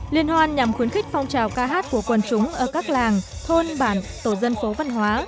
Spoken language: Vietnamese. liên hoan nhằm khuyến khích phong trào ca hát của quần chúng ở các làng thôn bản tổ dân phố văn hóa